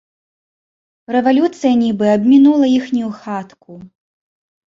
Рэвалюцыя нібы абмінула іхнюю хатку.